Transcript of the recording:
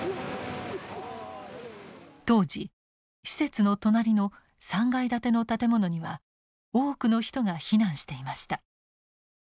当時施設の隣の３階建ての建物には多くの人が避難していました。